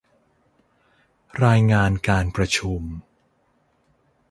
รายงานการประชุม